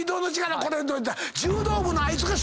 これ。